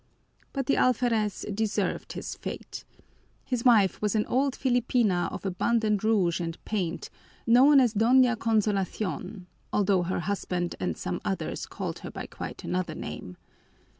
But the alferez deserved his fate. His wife was an old Filipina of abundant rouge and paint, known as Doña Consolacion although her husband and some others called her by quite another name.